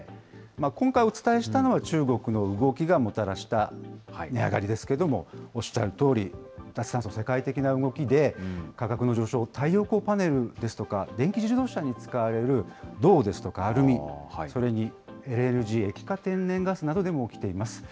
今回、お伝えしたのは中国の動きがもたらした値上がりですけれども、おっしゃるとおり、脱炭素の世界的な動きで価格の上昇を太陽光パネルですとか電気自動車に使われる銅ですとかアルミ、それにＬＮＧ・液化天然ガスなどでも起きています。